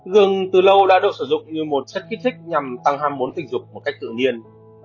gường từ lâu đã được sử dụng như một chất kích thích nhằm tăng ham muốn tình dục một cách tự nhiên